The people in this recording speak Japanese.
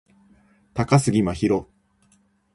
高杉真宙